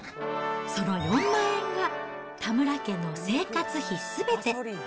その４万円が、田村家の生活費すべて。